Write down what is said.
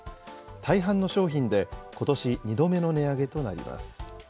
大半の商品で、ことし２度目の値上げとなります。